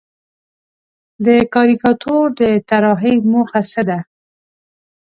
د کاریکاتور د طراحۍ موخه څه ده؟